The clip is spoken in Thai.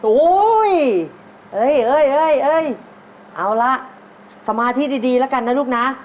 โอ้ยเอ้ยเอ้ยเอ้ยเอ้ยเอาล่ะสมาธิดีแล้วกันนะลูกนะ